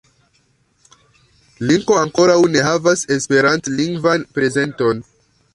Linko ankoraŭ ne havas esperantlingvan prezenton.